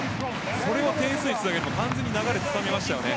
それを点数につなげれば完全に流れつかみましたよね。